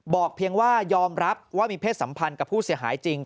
เพียงว่ายอมรับว่ามีเพศสัมพันธ์กับผู้เสียหายจริง